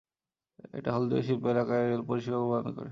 এটি হলদিয়া শিল্প এলাকার রেল পরিষেবা প্রদান করে।